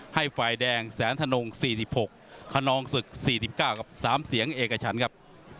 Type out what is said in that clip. ให้ฝ่ายแดงแสนธนง๔๖คนนองศึก๔๙กับ๓เสียงเอกชันครับ